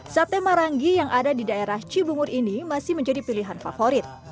sate marangi yang ada di daerah cibungur ini masih menjadi pilihan favorit